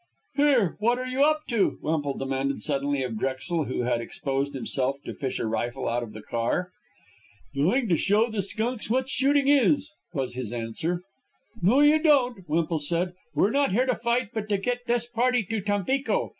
"Here! what are you up to!" Wemple demanded suddenly of Drexel, who had exposed himself to fish a rifle out of the car. "Going to show the skunks what shooting is," was his answer. "No, you don't," Wemple said. "We're not here to fight, but to get this party to Tampico."